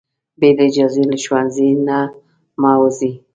بې له اجازې له ښوونځي نه مه وځئ.